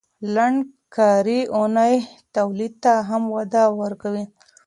لنډه کاري اونۍ تولید ته هم وده ورکوي.